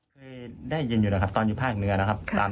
เคยได้ยินอยู่แล้วครับตอนอยู่ภาคเรือนะครับ